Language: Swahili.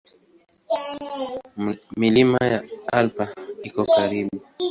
Milima ya Alpi iko karibu.